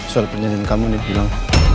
surat perjanjian kamu nih bilang